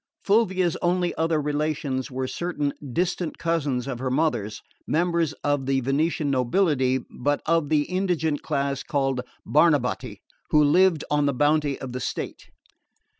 Fulvia's only other relations were certain distant cousins of her mother's, members of the Venetian nobility, but of the indigent class called Barnabotti, who lived on the bounty of the state.